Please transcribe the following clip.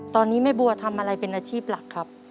ตอนนี้แม่บัวทำอะไรเป็นอาชีพหลักครับ